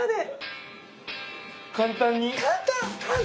簡単に？